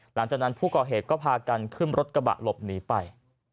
หลังจากนั้นผู้ก่อเหตุก็พากันขึ้นรถกระบะหลบหนีไป